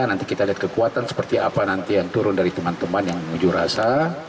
nanti kita lihat kekuatan seperti apa nanti yang turun dari teman teman yang ujur rasa